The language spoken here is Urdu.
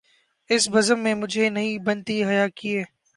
اس بزم میں مجھے نہیں بنتی حیا کیے